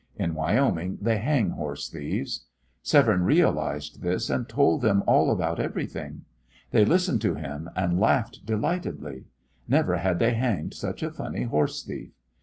In Wyoming they hang horse thieves. Severne realised this, and told them all about everything. They listened to him, and laughed delightedly. Never had they hanged such a funny horse thief.